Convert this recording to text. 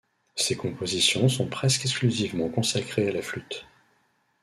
Ses compositions sont presque exclusivement consacrées à la flûte.